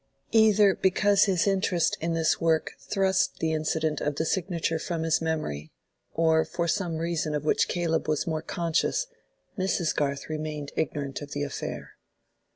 Either because his interest in this work thrust the incident of the signature from his memory, or for some reason of which Caleb was more conscious, Mrs. Garth remained ignorant of the affair.